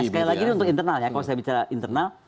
sekali lagi ini untuk internal ya kalau saya bicara internal